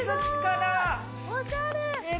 おしゃれ！